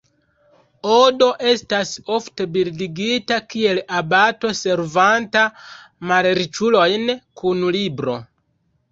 Odo estas ofte bildigita kiel abato servanta malriĉulojn kun libro.